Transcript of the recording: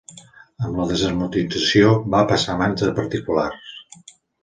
Amb la desamortització va passar a mans de particulars.